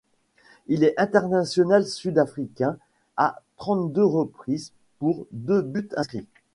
Il est international sud-africain à trente-deux reprises pour deux buts inscrits.